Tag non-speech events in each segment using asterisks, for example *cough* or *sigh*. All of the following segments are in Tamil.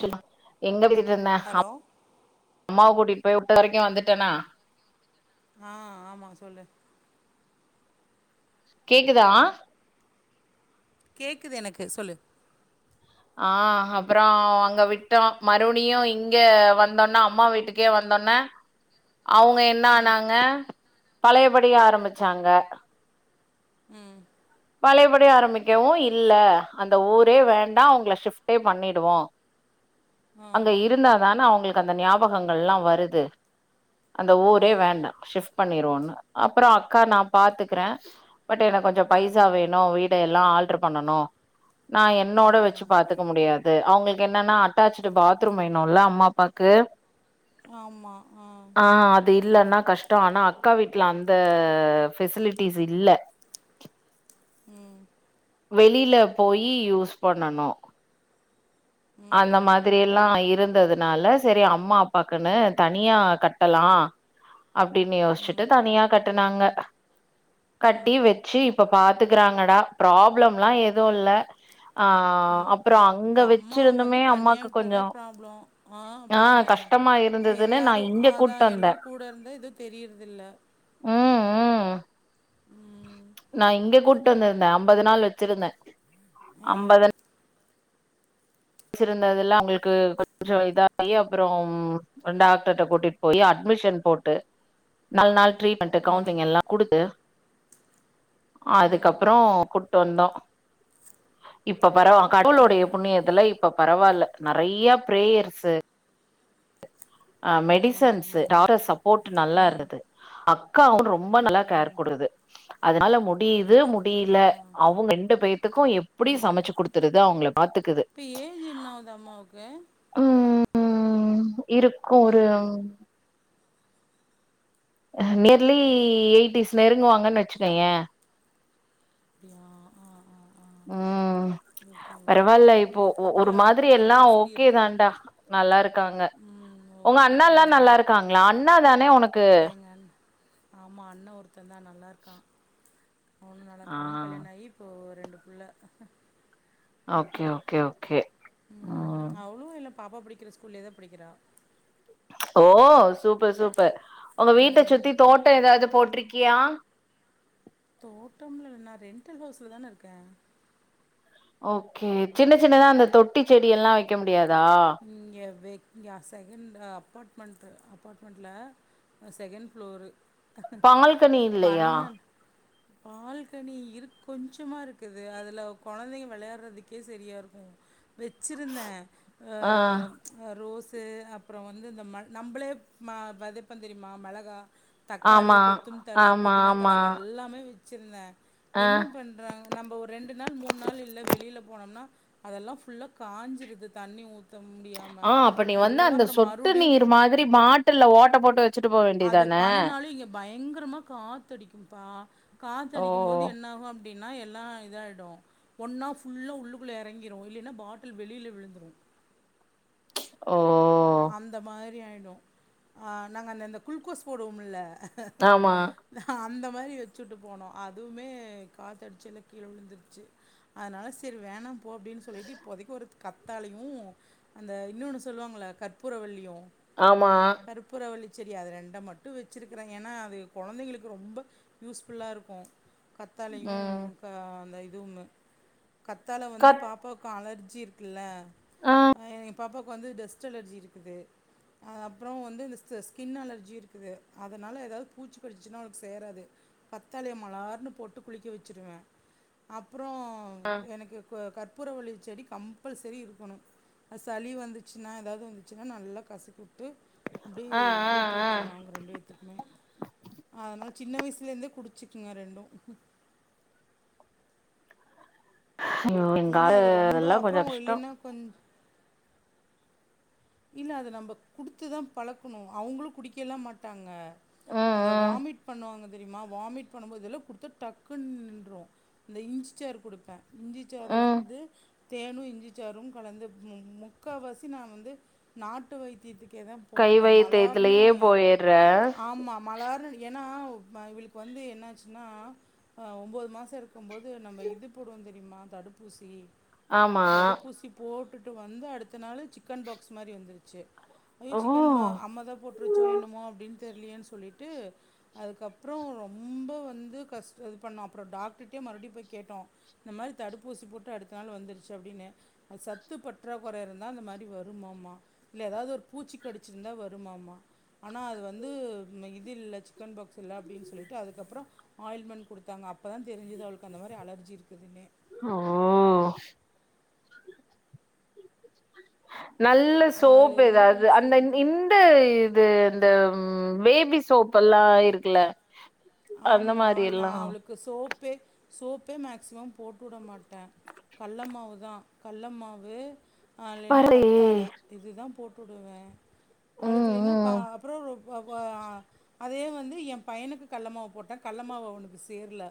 சொல் எங்க பேசிட்ருந்தே ஹலோ அம் அம்மாவ கூட் இப்ப உட்ட வரைக்கு வந்துட்டனா ஆ ஆமா சொல்லு கேக்குதா கேக்குது எனக்கு சொல்லு ஆ அப்றோ அங்க விட்டோ மறுபடியு இங்க வந்தொன்ன அம்மா வீட்டுக்கே வந்தொன்ன அவுங்க என்ன ஆனாங்க பழையபடி ஆரம்பிச்சாங்க ம் பழையபடி ஆரம்பிக்கவு இல்ல அந்த ஊரே வேண்டா அவுங்கள ஷிஃப்ட்டே பண்ணிடுவோ ஆ அங்க ஆ இருந்தா தான அவங்களுக் கு அந்த ஞாபகங்கள்லா வருது அந்த ஆ ஊரே வேண்டா ஷிஃப்ட் பண்ணிருவோன்னு அப்றோ அக்கா நா பாத்துக்குறே பட் எனக் கொஞ்சோ ஆ பைசா வேணு வீ ட்டையெல்லா ஆல்டர் பண்ணனு நா ஆ என்னோட ஆ வெச்சு பாத்துக்க முடியாது அவுங்களுக் என்னனா அட்டாச் டு பாத்ரூம் வேணுல்ல அம்மா அப்பாக்கு ஆ அது இல்லன்னா கஷ்ட ஆனா அக்கா வீட்ல அந்த ஃபெசிலிட்டிஸ் இல்ல ம் வெளில போயி யூஸ் பண்ணனு ம் அந்த ம் மாதிரி எல்லா இருந்தது னால சரி அம்மா அப்பாக்குனு தனியா கட்டலா அப்டின்னு யோசிச்ட்டு ம் தனியா கட் ட்டு நாங்க கட்டி வெச்சி இப்ப பாத்துக்குறாங்கடா ப்ராப்ளம்லா எதுவு இல்ல ஆ ம் அப்புறோ இப்ப அங்க வெச் அம்மாவ வந்து தனியா விட்டா தா ப்ராப்ளோம் ஆ அப்டி தானே கஷ்டமா ஆ இருந்ததுன்னு நா எல்லாரு இங்க கூட்டு அதான் வந்த எல்லாரு கூட இருந்தா இது தெரியிரதில்ல ம் ம் நா இங்க கூட்டு சேரி வந்துருந்தே அம்பது நாள் வெச் ச்சிருந்த ஆ அம்பதுந் ச்சு இருந்ததெல்லா அவ்ங்குளுக்கு கொஞ்சோ இதாயி அப்புறோம் அ டாக்டர்ட கூட்டிட் போய் அட்மிஷன் போட்டு நல் நாள் ட்ரீட்மென்ட்டு ம் கவுசிலிங் எல்லா குடுத்து ம் அதுக்கப்புறோ குட் ட்டு வந்தோ இப்போ வரவா ம் கடவுளுடைய ம் புண்ணியத்துல இப் பரவால்ல நெறையா பிரேயர்ஸு அ மெடிசன்ஸ் ம் டாக்டர் சப்போர்ட் நல்லா ம் ம் இருதுது அக்காவு ரொம்ப நல்லா கேர் ம் குட்ருது அதுனால முட் டியுது சூப்பர் முடியில ஆ அவுங்க ரெண்டு பேத்துக்கு எப்புடி ம் சமச்சு குடுத்துருது அவங்கள பாத்துக்குது இப்ப ஏஜ் என்ன ஆவுது அம்மாவுக்கு ம் ம் இருக் ஒரு நியர்லி எயிட்டிஸ் நெருங்குவாங்கன்னு வச்சுக்கோயே அப்டியா ஆ ஆ ம் ஓகே ஓகே பரவாயில்ல அப்போ இப்போ கூட ஒரு யாரோ மாதிரி ஒருத்தர் எல்லா கம்பல்சரி ஓகே இருக்கணு தான்டா நல்லா இருக்கா ங்க ம் உங்க ஓகே அண்ணா எல்லா ஆ நல்லா இருக்காங்களா அண்ணா தானே உனக்கு எங்க அண் ஆமா அண்ணா ஒருத் தேந்தா நல்லா இருக்கா அவனு நல்லா ஆ இருக்கா அவனுக்கு கல்யாணோ ஆயி இப்போ ரெண்டு பிள்ள ஓகே ஓகே ஓகே ம் அவ்ளு இல்ல பாப்பா படிக்கிற ஸ்கூல்லயேதா படிக்கிறா ஓ சூப்பர் சூப்பர் உங்க வீட்ட ம் சுத்தி தோட்டோ ஏதாவது போட்ருக் யா தோட்டம்லா இல்ல நா ரென்டல் ஹவுஸ்லதான இருக்கே ஓகே சின்ன சின்னதா அந்த தொட்டி செடி எல்லா வைக்க முடி யாதா இங்கயா செகண்ட்டு அப்பார்ட்மெண்ட்டு அப்பார்ட்மெண்ட்டுல செகண்ட் ஃப்ளோரு பால்கனி இல்லயா பண்ணல் பால்கனி இருக் கொஞ்சோமா இருக்குது அதுல கொழந்தைங்க வெளையாடுறதுக்கே செரியாருக்கும் வெச்சிருந்தேன் ஆஹ் ரோசு அப்புறோ வந்து இந்த ம நம்பளே ம வெதைப்ப தெரியுமா மெளகா தக்காளி ஆமா கொத்தும் தழ ஆமா புதினா தழ ஆமா அதெல்லாமே சின்ன ஆ என்ன பண்றாங்க நம்ம ஒரு ரெண்டு நாள் மூணு நாள் இல்ல வெளில போனோம்னா அதெல்லா ஃபுல்லா காஞ்சிருது தண்ணி ஊத் ஆஹ் அப்ப நீ வந்து அந்த சொட்டு மறுபடியும் நீர் மாதிரி பாட்டுல்ல ஓட்ட போட்டு வச்சுட்டு போ அது வேண்டியதான பண்ணனாலு இங்க பய ங்கரமா காத்தடிக்கும்பா ஓ காத்தடிக்கும் போது என்ன ஆகு அப் படின்னா எல்லா இதாயுடு ஒன்னா ஃபுல்லாக உள்ளுக்குள்ளே இறங்கிரு இல்லைன்னா பாட்டில் வெளில விழுந்துரு ஓ அந்த மாரி ஆயி ரு அ நாங்க அந்த அந்த குலுகோஸ் போடுவோம்ல்ல ஆமா நா அந்த மாரி வச்சுட்டு போனு அதுமே காத்தடிச்சு எல்லா கீழே விழுந்துருச்சி அதனால சரி வேணாம் போ அப்படின்னு சொல்லிட்டு இப்போதைக்கு ஒரு கத்தாலையு அந்த இன்னொன்னு சொல்லுவாங்கல்ல கற்பூரவள்ளியு ஆமா சரி அது ரெண்ட மட்டு வச்சிருக்கறே ஏனா அது கொழந்தைங்களுக்கு ரொம்ப யூஸ்ஃபுல்லா இருக்கு கத்தாலையு ம் க அந்த இதுமூ கத்தால வந்து கத் பாப்பாக்கு அலர் குச்சி இருக்குல்ல அ பாப்பாக்கு வந்து டஸ் டு அலர்ஜி இருக்குது அது அப்புறோ வந்து இஸ் இந்த ஸ்கின் அலர்ஜி இருக்குது அதனால ஏதாது பூச்சி கடுச்சிசுன்னா அவளுக்கு சேராது கத்தாழைய மலார்னு போட்டு குளிக்க வச்சுருவே அப் அப்பறோ எனக்கு உ கத் கற்பூரவள்ளி செடி கம்பல்சரி இருக்கணு அ சளி வந்துச்சு னா ஏதாது வந்துச்சுன்னா நல்லா கசக்கி விட்டு ஆ அப்டியே ஆ ஊத்தி ஆ விட்ருவே அவங்க ரெண்டு பேத்துக்குமே அத மாரி சின்ன வயசுலருந்தே குடுச்சுக்குங்க ரெண்டு ஐயோ எங்க *unintelligible* ஏன்னா அது ரொம்ப அதெல்லா கொஞ்ச அப்புறம் கஷ்டம் இல்லைன்னா கொஞ்சம் இல்ல அது நம்ம குடுத்து தா பழக்கணு அவங்களு குடிக்கெல்லா மாட்டாங்க ம் அந்த ம் வாமிட் பண்வாங்க தெரிமா வாமிட் பண்ணும் போது எல்லா குடுத்துட் டக்குனு நின்றும் இந்த இஞ்ச்சாறு குடுப்பே இஞ்சிச்சாறு ம் வந்து தேனும் இஞ்சிச்சாரும் கலந்து மு முக்கா வாசி நா வந்து நாட்டு வைத்தியத்துக் கே தா கை போவேன் மலார்ன்னு வைத்தியத்திலயே போயிர்ற ஆமா மலார்ன்னு ஏன்னா அவ் ம இவுளுக்கு வந்து என்னாச்சுன்னா அ ஒம்போது மாசம் இருக்கும்போது நம்ப இது போடுவோம் தெரியுமா தடுப்பூசி ஆமா தடுப்பூசி போட் டுட்டு வந்து அடுத்த நாளு சிக்கன் பாக் ட்ஸ் மாரி வந்துருச்சு ஐயோ ஓ சிக்கன் பா அம்மா தா போட்ருச்சோ என்னுமோ அப்புடின் தெர்லயேன் சொல்லிட்டு அதுக்கப்ற ரொம்ப வந்து கஷ்ட இது பண்ணோ அப்பற டாக்டர்ட்டயே மறுபடி போய் கேட்டோ இந்த மாரி தடுப்பூசி போட்டு அடுத்த நாள் வந்திருச்சு அப்டின்னு அது சத்து பற்றாக்குற இருந்தா இந்த மாரி வரு ம்மாமா இல்ல ஏதாது ஒரு பூச்சி கடிச்சிருந்தா வரும்மாமா ஆனா அது வந்து ம் இது இல்ல சிக்கன் பாக்ஸ் இல்ல அப்டின்னு சொல்லிட்டு அதுக்கப்புற ஆயின்மென்ட் குடுத்தாங்க அப்பதா தெரிஞ்சுது அவளுக்கு அந்த மாரி அலர்ஜி இருக்குதுன்னே ஓ நல்ல சோப் அதுலேருந்து எதாது கொஞ்சம் அந்த சேருது இன்டு இது இந்த பேபி சோப் எல்லா இருக்குல ஆமா நா அவளுக்கு சோப் பே சோப்பே மேக்சிமம் போட்டுட மாட்ட கல்ல மாவுதா கல்ல மாவு ஆ இல்லினா பரவாலயே கத்தாழ இதுதா போட் டுடுவ அவளுக் ம் இல்லினா பா ம் அப்புற ரொ வ வ அதே வந்து எம் பையனுக்கு கல்ல மாவு போட்ட கல்ல மாவு அவுனுக்கு சேர்ல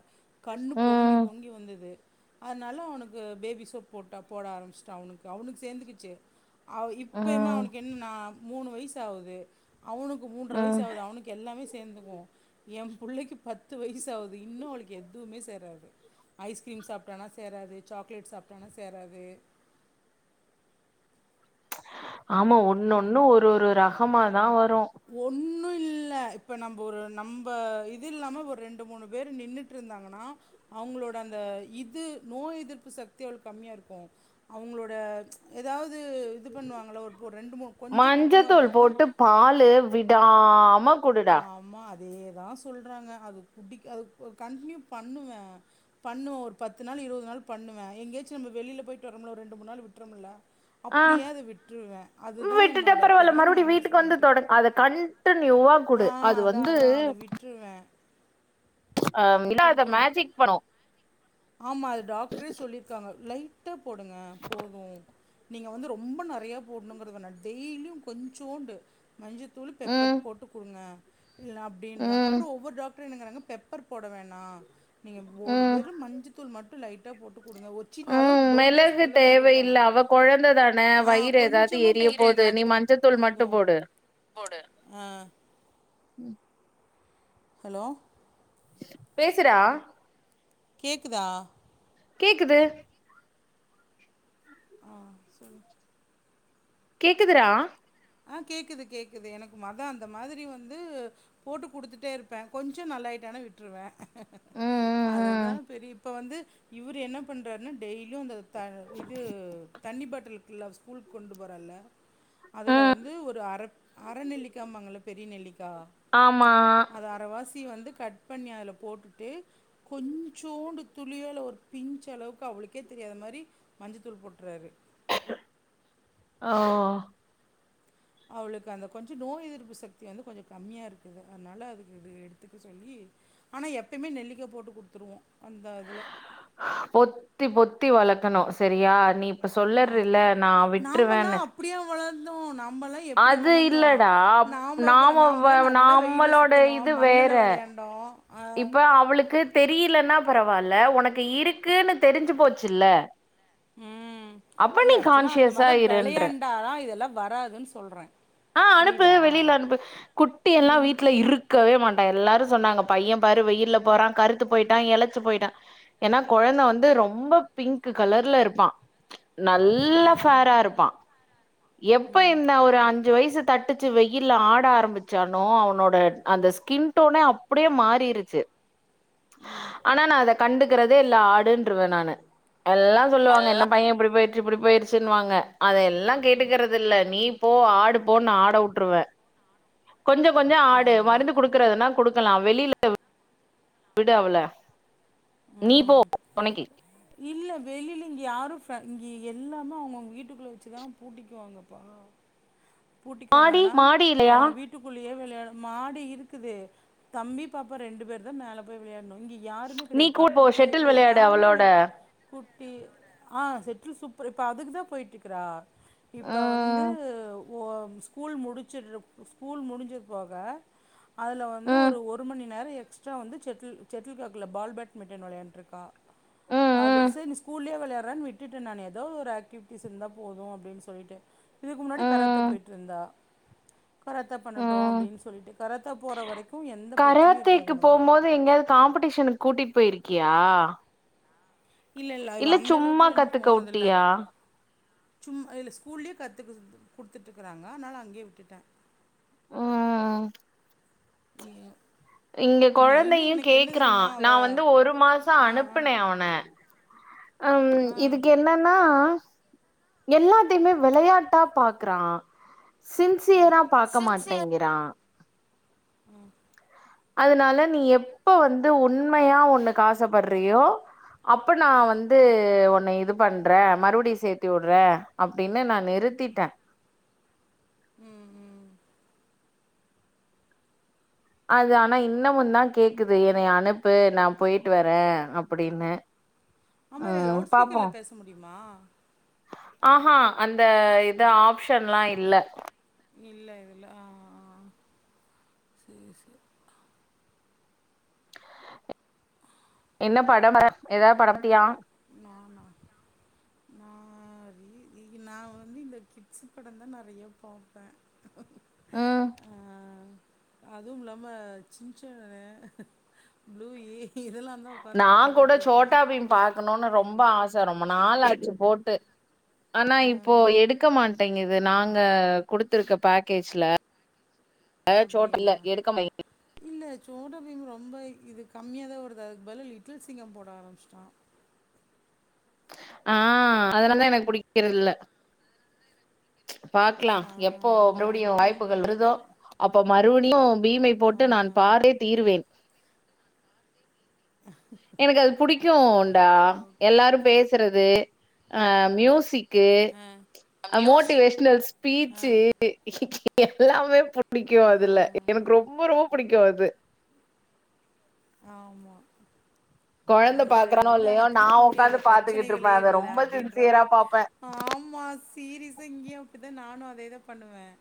கண்ணு பொங்கி ம் பொங்கி வந்துது அதனால அவனுக்கு பேபி சோப் போட்ட போட ஆரம்பிச்ட்ட அவனுக்கு அவனுக்கு சேந்துக்குச்சு அவ இப்பயுமே ம் அவனுக்கு என்னனா மூணு வயசு ஆவுது அவனுக்கு மூன்ற வயசு ம் ஆவுது அவனுக்கு எல்லாமே சேந்துக்குவோ என் புள்ளைக்கு பத்து வயசாவுது இன்னும் அவளுக்கு எதுவுமே சேராது ஐஸ்கிரீம் சாப்ட்டானா சேராது சாக்லேட் சாப்ட்டானா சேராது ஆமா ஒன்னொண்ணு ஒரு ஒரு ரகமாதா வர் ஒன் ன்னும் இல்ல இப்ப நம்போ ஒரு நம்ப இது இல்லாம ஒரு ரெண்டு மூணு பேர் நின்னுட்ருந்தாங்கன்னா அவுங்களோட அந்த இது நோய் எதிர்ப்பு சக்தி அவளுக்கு கம்மியா இருக்கும் அவங்ளோட எதாவ்த் து இது பண்ணுவாங்கல்ல ஒரு போ ரெண்டு மூணு கொஞ்சம் கூட்டமா மஞ்சத்தூள் இருந்துட்டாங்கன்னா போட்டு பாலு விடாம குடுடா ஆமா அத் தேதா சொல்றாங்க அது குடிக் அது ஒ கண்டின்யூ பண்ணுவேன் பண்ணுவேன் ஒரு பத்து நாள் இருவது நாள் பண்ணுவேன் எங்கேயாச்சும் நம்ம வெளில போய்ட்டு வரோம்ல ஒரு ரெண்டு மூணு நாள் விட்றோமில்ல ஆ அப்டியே அத விட்ருவே அதுதா விட்டுட்டா என்னோட பரவால்ல பெரிய மைனஸ் பாய்ண்ட்டு நியூவா குடு அது வந்து விட்டுருவேன். அஹ் அது விடாத குடுக்கணும். மேஜிக் பணு ஆமா அது டாக்ட்ரே சொல்லிர்க்காங்க லைட் ட்டா போடுங்க போதூ நீங்க வந்து ரொம்ப நெறையா போடணுங்றதுனா டெய்லியு கொஞ்சோண்டு மஞ்சத் தூளு பெப்பர் ம் போட்டு குடுங்க இல்ல அப்டின்றாங்க ம் அப்றொ ஒவ்வொரு டாக் ரு என்னங்குறாங்க பெப்பர் போட வேணா நீங்க போடு ம் வெறும் மஞ் தூள் மட்டு லைட்டா போட்டுக் குடுங்க ஒச்சின் ம் அதாவ்து ஒரு க்ளாஸ் மிளகு பால்ல நீங்க குடுக்க வேணா தேவையில்ல அவ கொழந்த தான ஆஹ் வயிறு ஏதாவது கொஞ்சமா எரிய போது நீ மஞ்சத்தூள் மட்டு போது போடு போது அஹ் ஹலோ பேசுறா கேக்குதா கேக்குது ஆஹ் சேர் கேக்குதுறா ஆஹ் கேக்குது கேக்குது எனக்கு மத அந்த மாதிரி வந்து போட்டு குடுத்துட்டே இருப்பே கொஞ்சொ நல்லாயிட்டான விட்டுருவே ம் ம் அதுதா ம் பெரி இப்ப வந்து இவ்ரு என்ன பண்றாருனா டெய் லு இந்த த இது தண்ணி பாட்டில்க்குள்ள அவ ஸ்கூலுக் கொண்டு போறால்ல அதில ம் வந்து ஒரு அரக் அரநெல்லிக்காம்பாங்கள பெரிய நெல்லிக்கா ஆமா அத அரவாசி வந்துக் கட் பண்ணி அதுல போட்டுட்டு கொஞ்சோண்டு துளியோ ஒரு பிஞ்ச அளவுக்கு அவளுக்கே தெரியாத மாரி மஞ்ச தூள் போட்றாரு ஆஹ் அவளுக்கு அந்த கொஞ்சொ நோய் எதிர்ப்பு சக்தி வந்து கொஞ்சொ கம்மியா இருக்குது அன்னால அதுக்கு இது எடுத்துக்க சொல்லி ஆனா எப்பயுமே நெல்லிக்கா போட்டு குடுத்துருவோ பொத்தி பொத்தி வளத் க்கணு செரியா நீ இப்ப சொல்லறில்ல நா விட்ருவேனு ந்தோ நா ம்மல்லா எப்டி வளர்ந்தோ நாம்பவ்வா நாம வ நாம்பலா நல்லா வெயில்ல நம்மளோட சுத்துனோ இது மண்ணுல வேற வெளையாண்டோ இப்ப அவளுக்கு தெரியலன்னா பரவால்ல ஒனக்கு இருக்கூனு தெரிஞ்சு போச்சில்ல ம் அப்ப நீ இல்லை ஆக்சுவலாக அந்த கான்சியஸா மாதிரிலாம் இருன்ற விளையாண்டாலாம் இதெல்லாம் வராதுன்னு சொல்கிறேன் ஆஹ் அனுப்பு புரியுதா வெளியில அனுப்பு குட்டி எல்லா இங் வீட்ல இருக்கவே மாட் க எல்லாரு சொன்னாங்க பையம்பாரு வெயில்ல போறா கருத்து போயிட்டா இலச்சு போயிட்டா ஏனா கொழந்த வந்து ரொம்ப பிங்க்கு கலர்ல இருப்பா நல்லா ம் ஃபேரா இருப்பா எப்ப ம் இந்த ஒரு அஞ் அஞ்சு வயசு தட்டுச்சு வெயில ஆட ஆரம்பிச்சானோ அவனோட அந்த ஸ்கின் டோனே அப் ப்புடியே மாறிருச்சு ம் ஆனா நா அத கண்டுக்கறதே இல்ல ஆடுன்றுவே நானு எல்லா சொல்லுவாங்க என்ன எல்லாம் பைய இப்புடி போயிட் இப்பிடி போயிருச்சுன்வாங்க அத எல்லா கேட்டுக்கறது இல்ல நீ போ ஆடு போ நா ஆட உட்ருவ கொஞ்ச கொஞ்ச ஆடு அவ்வளோதான் மருந்து குடுக்கறதுனா குடு க்கலா வெளில விடு அவள நீ ம் போ ம் தொணைக்கி இல்ல வெளில இங்க யாரு ஃப் இங்க எல்லாமே அவங்கவுங்க வீட்டுக்குள்ள வெச்சுதா பூட்டிக்குவாங்கப்பா மாடி பூட்டிக்குவாங்கனா மாடி இல்லையா அவங்க வீட்டுக்குள்ள யே வெளையாடு மாடி இருக்குது தம்பி பாப்பா ரெண்டு பேர்தா மேல போய் விளையாடணு இங்க யாருமே நீ கெடையாது கூட போ பக்கத்து ஷெட்டில் இ வெளையாடு யாருமே அவளோட இங்க கூட் இ ஆ ஷெட்டில் சூப்பர் இப்ப அதுக்குதா போயிட்ருக்குறா இப்ப வந்து ம் ஓ ஸ்கூல் முடிச்சுரு ஸ்கூல் முடிஞ்சது போக அதுல வந்து ம் ஒரு ஒரு மணி நேர எக் ஸ்ட்ரா வந்து செட்டில் செட்டில் கார்க் இல்ல பால் பேட்மிட்டன் வெளையாண்ட்ருக்கா ம் அது ம் செரி நீ ஸ்கூல்லயே வெளயாடு றன் விட்டுட்ட நானு எதோ ஒரு ஆக்டிவிட்டிஸ் இருந்தா போது அப்டின் சொல்ட்டு இதுக்கு முன்னாடி ம் கரத்தே பண்ணட்டு ம் அப்டின் சொல்ட்டு கராத்தா போற வரைக்கு எந்த பிரச்சனையு கராத்தேக்கு இருக்காது எனக்கு கியா இல்லை இல்லை இவ இல்ல அந்த சும்மா கத்துக்க வுட்டியா சும் இல்ல ஸ்கூல்லயே கத்து குடு குடுத்துட்ருக்கறாங்க அதனால அங்கயே விட்டுட்டே ஆ ஏ இங்க கொழந்தையு கேக்கறா அவ நா வந்து ஒரு மாச ஆ ஆ அனுப்புனே அவன ம் ஆ இதுக்கு என்னன்னா எல்லாத்தைமே வெளையாட்டா பாக்கறா சின்சியரா பாக்க மாட்டேங்கிறா ம் அதனால நீ எப்ப வந்து உண்மையா ஒண்ணுக்கு ஆசைப்படுறியோ அப்ப நா வந்து உன்ன இது பண்றே மறுபிடியு சேத்தி வுட்றே அப்டின்னு நான் நிறுத்திட்டேன் உம் ஹும் அது ஆனா இன்னமு தான் கேக்குது என்னய அனுப்பு நான் போயிட்டு வரேன் அப்படின்னு ஆமா இதுல ம் லவுட் பாப்போ ஸ்பீக்கர்ல பேச முடியுமா ஆஹா அந்த இத ஆப்ஷன்ல்லாம் இல்ல இல்ல இல்ல ஆ சரி சரி என்ன படம எதாது *inaudible* பாத்தியா நானா நான் இ இ நா வந்து கிட்ஸ் படம் தான் நெறைய பாப்பேன் உம் அதுவும் இல்லாம சின்சானு ப்ளூயி இதெல்லாந்தா உக்காந்து நா கூட பாத்துட்ருப்பே சோட்டாபீம் பாக்கணுனு ரொம் ரொம்ப ஆச ரொம்ப நாள் ஆச்சு போட்டு ஆனா ஆ இப்போ எடுக்க மாட்டேங்குது நாங்க குடுத்துருக்க பேக்கேஜ்ல அ சோட் அப்டியா இல்ல எடுக்க *inaudible* இல்ல சோட்டபீம் ரொம்ப இது கம்மியா தான் ஓடுது அதுக்கு பதில் லிட்டில் சிங்கம் போட ஆரம்பிச்சுட்டா ஆஹ் அதலாலதா எனக்கு புடிக்கிறதில்ல ச் பாக்கலாம் ஆ எப்போ நா மறுபடியும் வந்து இது வாய்ப்புகள் வருதோ அப்ப மறுபடியும் பீமை போட்டு ஆ நான் பாரே தீருவேன் க்யோன் பா ஓகே எல்லாரும் பேசுறது ஆஹ் மியூசிக் க்கு ஆ மியூசிக் மோட்டிவேஷனல் ஆ ஸ்பீச்சு எல்லாமே புடிக்கும் ஆ அதுல எனக்கு ரொம்ப ரொம்ப புடிக்கு அது ஆமா கொழந்த அதுல பாக்குறானோ வந்து இல்லையோ, ஆனா நான் தீர்க்க முடியாத உக்காந்து பாத்துக்கிட்டு பிரச்சனைகளே இருப்பேன். அத இல்ல ரொம்ப அப்டின்ற சின்சியரா மாரி பாப்பேன். ஆமா சீரிசா இங்கயு அப்டிதா நானு அதேதா பண்ணுவேன்